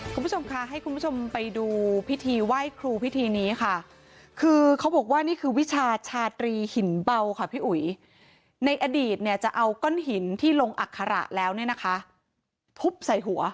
คุณผู้ชมค่ะให้คุณผู้ชมไปดูพิธีไหว้ครูพิธีนี้ค่ะคือเขาบอกว่านี่คือวิชาชาตรีหินเบาค่ะพี่อุ๋ยในอดีตเนี่ยจะเอาก้อนหินที่ลงอัคระแล้วเนี่ยนะคะทุบใส่หัว